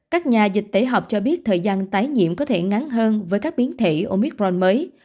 các nhà dịch tễ học cho biết thời gian tái nhiễm có thể ngắn hơn với các biến thể omicron mới